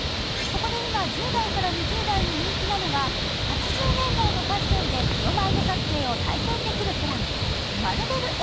そこで今１０代２０代に人気なのが８０年代のファッションでプロマイド撮影を体験できるプランマルベル８０